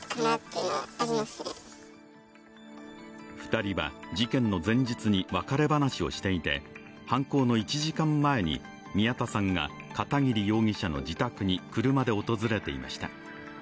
２人は事件の前日に別れ話をしていて犯行の１時間前に宮田さんが片桐容疑者の自宅に車で訪れていました。